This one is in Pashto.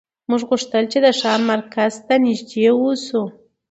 موږ غوښتل چې د ښار مرکز ته نږدې اوسو